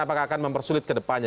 apakah akan mempersulit ke depannya